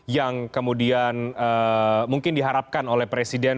yang kemudian mungkin diharapkan oleh presiden